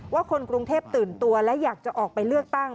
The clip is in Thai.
คนกรุงเทพตื่นตัวและอยากจะออกไปเลือกตั้ง